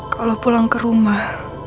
kalau pulang ke rumah